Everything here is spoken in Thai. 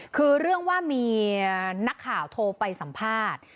คือเรื่องว่ามีนักข่าวโทรไปสัมภาษณ์